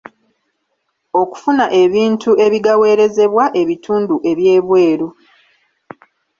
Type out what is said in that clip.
Okufuna ebintu ebigaweerezebwa ebitundu eby'ebweru.